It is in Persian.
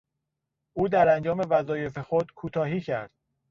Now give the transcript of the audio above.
او در انجام وظایف خود کوتاهی کرد.